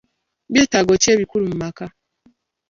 Byetaago ki ebikulu mu maka?